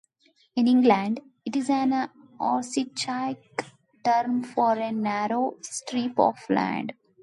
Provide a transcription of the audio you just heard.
In England, it is an archaic term for a narrow strip of land.